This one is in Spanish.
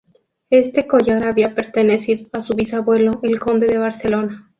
Este collar había pertenecido a su bisabuelo el conde de Barcelona.